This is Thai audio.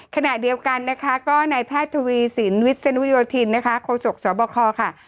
ขณะเดียวกันนะคะก็ในภาคทวีสินวิทย์สนุโยธินนะคะโคศกสวบคค่ะ